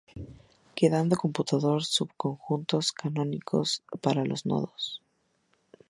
Quedando computar los subconjuntos canónicos para los nodos.